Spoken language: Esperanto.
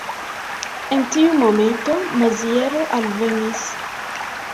En tiu momento Maziero alvenis.